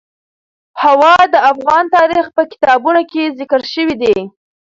هوا د افغان تاریخ په کتابونو کې ذکر شوی دي.